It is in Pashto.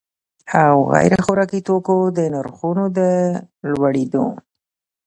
او غیر خوراکي توکو د نرخونو د لوړېدو